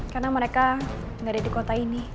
karena mereka gak ada di kota ini